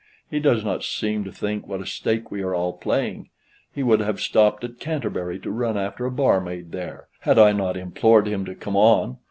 He does not seem to think what a stake we are all playing. He would have stopped at Canterbury to run after a barmaid there, had I not implored him to come on.